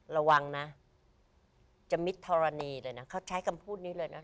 ระวังนะจะมิดทรณีเลยนะเขาใช้คำพูดนี้เลยนะ